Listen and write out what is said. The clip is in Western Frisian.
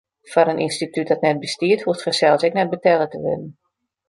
Foar in ynstitút dat net bestiet, hoecht fansels ek net betelle te wurden.